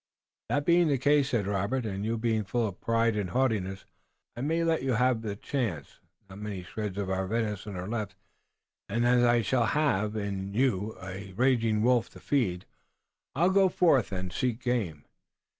"That being the case," said Robert, "and you being full of pride and haughtiness, I may let you have the chance. Not many shreds of our venison are left, and as I shall have in you a raging wolf to feed, I'll go forth and seek game.